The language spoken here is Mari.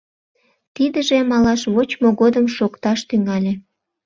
Тидыже малаш вочмо годым шокташ тӱҥале.